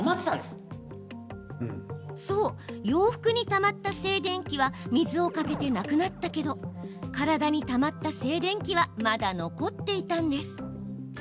そう、洋服にたまった静電気は水をかけてなくなったけど体にたまった静電気はまだ残っていたんです。